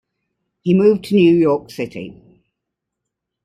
He moved to New York City.